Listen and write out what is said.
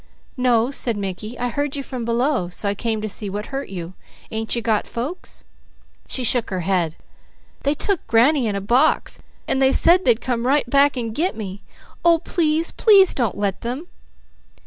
"No," said Mickey. "I heard you from below so I came to see what hurt you. Ain't you got folks?" She shook her head: "They took granny in a box and they said they'd come right back and 'get' me. Oh, please, please don't let them!"